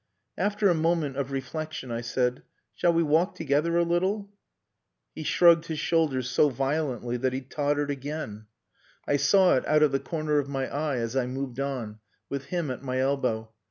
After a moment of reflection I said "Shall we walk together a little?" He shrugged his shoulders so violently that he tottered again. I saw it out of the corner of my eye as I moved on, with him at my elbow.